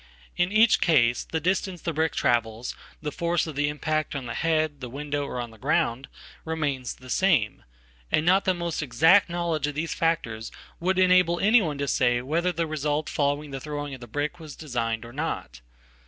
In each case the distance the bricktravels, the force of the impact on the head, the window, or theground, remains the same, and not the most exact knowledge of thesefactors would enable anyone to say whether the result following thethrowing of the brick was designed or not.